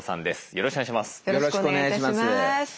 よろしくお願いします。